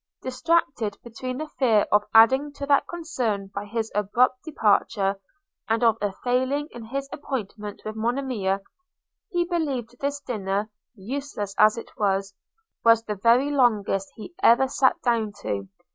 Distracted between the fear of adding to that concern by his abrupt departure, and of a failing in his appointment with Monimia, he believed this dinner, useless as it was, was the very longest he ever sat down to.